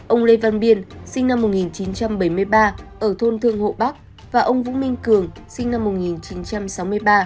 ông lê văn biên sinh năm một nghìn chín trăm bảy mươi ba ở thôn thương hộ bắc và ông vũ minh cường sinh năm một nghìn chín trăm sáu mươi ba